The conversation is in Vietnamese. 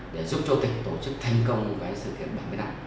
để giúp châu tịch tổ chức thành công sự thiện bản bế đạc